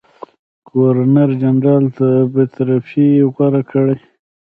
ګورنرجنرال بېطرفي غوره کړي.